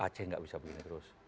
aceh nggak bisa begini terus